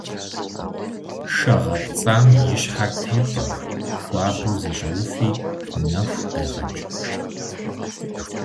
Шэ гъэпцӏам и щхьэр тепӏэ, хуабэу зэщӏэуфи, нэху къегъэкӏ.